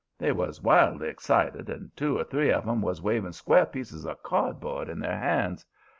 They was wildly excited, and two or three of 'em was waving square pieces of cardboard in their hands.